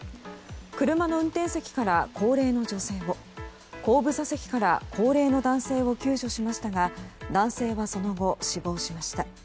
車の運転席から高齢の女性を後部座席から高齢の男性を救助しましたが男性はその後、死亡しました。